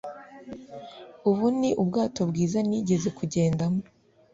Ubu ni ubwato bwiza nigeze kugendamo.